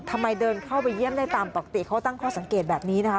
เดินเข้าไปเยี่ยมได้ตามปกติเขาตั้งข้อสังเกตแบบนี้นะคะ